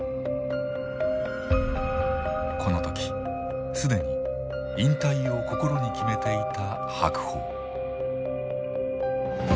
この時既に引退を心に決めていた白鵬。